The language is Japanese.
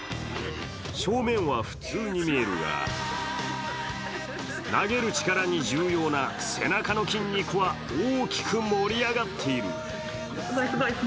正面は普通に見えるが投げる力に重要な背中の筋肉は大きく盛り上がっている。